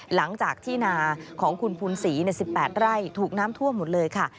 หลังจากที่นาของคุณภูนศรี๑๘ไร่ถูกน้ำท่วมหมดเลยค่ะ